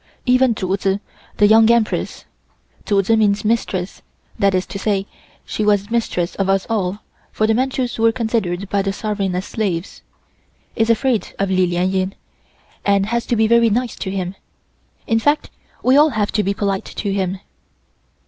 Even Chu Tzu, the Young Empress (Chu Tzu means Mistress, that is to say she was mistress of us all, for the Manchus were considered by the sovereign as slaves) is afraid of Li Lien Ying, and has to be very nice to him. In fact, we all have to be polite to him."